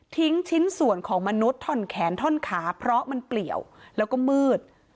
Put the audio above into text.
ชิ้นส่วนของมนุษย์ท่อนแขนท่อนขาเพราะมันเปลี่ยวแล้วก็มืด